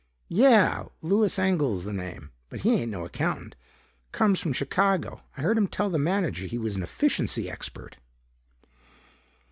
"Yeah, Louis Engel's the name. But he ain't no accountant. Comes from Chicago. I heard him tell the manager he was an efficiency expert."